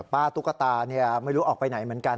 ตุ๊กตาไม่รู้ออกไปไหนเหมือนกัน